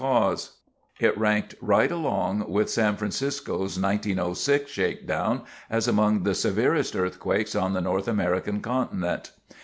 ] It ranked right along with San Francisco's 1906 shakedown as among the severest earthquakes on the North American continent.